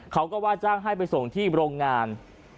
ได้ไปส่งไปที่โรงงาน